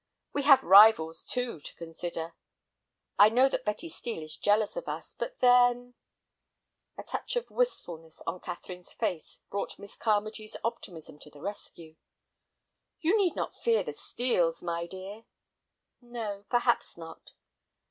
We have rivals, too, to consider. I know that Betty Steel is jealous of us, but then—" A touch of wistfulness on Catherine's face brought Miss Carmagee's optimism to the rescue. "You need not fear the Steels, my dear." "No, perhaps not."